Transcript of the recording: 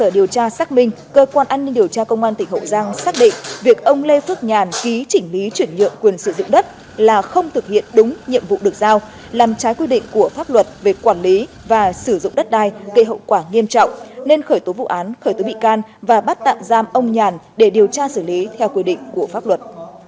điều tra xác minh cơ quan an ninh điều tra công an tỉnh hậu giang xác định việc ông lê phước nhàn ký chỉnh lý chuyển nhượng quyền sử dụng đất là không thực hiện đúng nhiệm vụ được giao làm trái quy định của pháp luật về quản lý và sử dụng đất đai gây hậu quả nghiêm trọng nên khởi tố vụ án khởi tố bị can và bắt tạm giam ông nhàn để điều tra xử lý theo quy định của pháp luật